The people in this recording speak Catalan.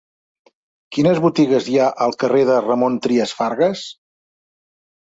Quines botigues hi ha al carrer de Ramon Trias Fargas?